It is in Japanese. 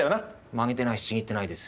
曲げてないしちぎってないです。